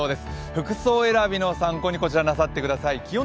服装選びの参考にこちら、なさってください。